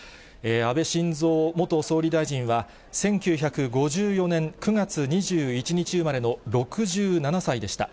安倍晋三元総理大臣は、１９５４年９月２１日生まれの６７歳でした。